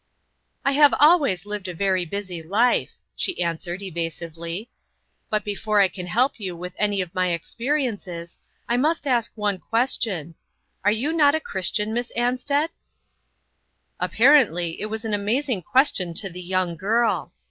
" I have always lived a very busy life," she answered, evasively ;" but before I can 158 INTERRUPTED. help you with any of ray experiences, I must ask one question : Are you not a Chris tian, Miss Ansted ?" Apparently it was an amazing question to the young girl.